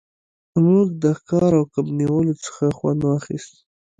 موږ د ښکار او کب نیولو څخه خوند واخیست